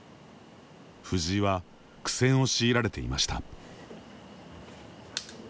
藤井は苦戦を強いられていました。